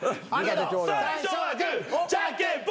最初はグーじゃんけんぽい。